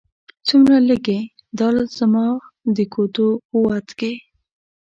څومره لږې! لا زما د ګوتو وت کې